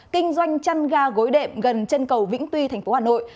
kinh doanh chăn ga gối đệm gần chân cầu vĩnh tuy thành phố hà nội